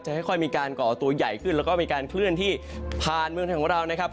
ค่อยมีการก่อตัวใหญ่ขึ้นแล้วก็มีการเคลื่อนที่ผ่านเมืองไทยของเรานะครับ